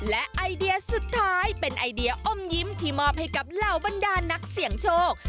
และไอเดียสุดท้ายเป็นไอเดียอมยิ้มที่มอบให้กับเหล่าบรรดานักเสี่ยงโชค